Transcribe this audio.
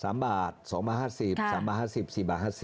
ตัวเลขน่าสนใจนะคนเสียค่าไฟนี่๓บาท๒บาท๕๐